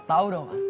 tau dong pasti